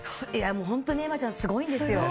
本当に瑛茉ちゃん、すごいんですよ。